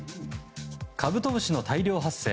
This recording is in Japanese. カブトムシの大量発生。